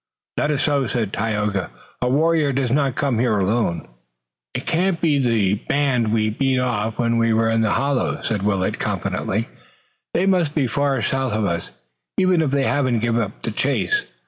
"That is so," said Tayoga. "A warrior does not come here alone." "It can't be the band we beat off when we were in the hollow," said Willet confidently. "They must be far south of us, even if they haven't given up the chase."